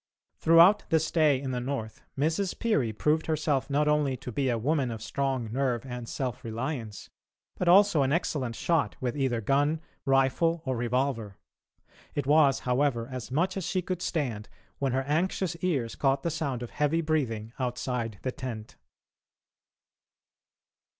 Throughout the stay in the North, Mrs. Peary proved herself not only to be a woman of strong nerve and self reliance, but also an excellent shot with either gun, rifle, or revolver. It was, however, as much as she could stand when her anxious ears caught the sound of heavy breathing outside the tent.